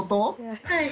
はい。